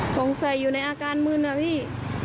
สงสัยอยู่ในอาการมืนนะพี่